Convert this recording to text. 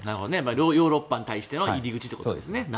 ヨーロッパに対しての入り口ということですね。